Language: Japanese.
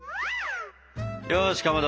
よしかまど！